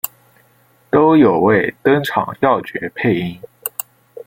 都有为登场要角配音。